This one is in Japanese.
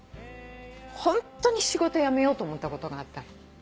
ホントに仕事辞めようと思ったことがあったの。